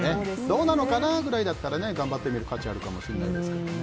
どうなのかなぐらいだったら頑張ってみる価値はあるかもしれないですけどね。